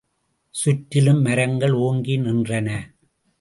சுற்றிலும் மரங்கள் ஓங்கி நின்றன.